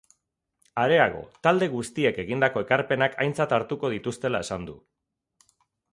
Areago, talde guztiek egindako ekarpenak aintzat hartuko dituztela esan du.